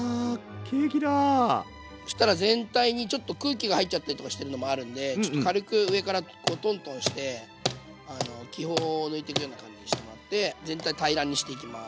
そしたら全体にちょっと空気が入っちゃったりとかしてるのもあるんでちょっと軽く上からトントンして気泡を抜いていくような感じにしてもらって全体平らにしていきます。